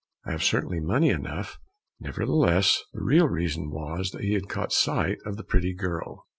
I have certainly money enough." Nevertheless, the real reason was that he had caught sight of the pretty girl.